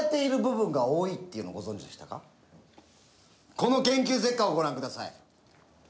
この研究成果をご覧ください。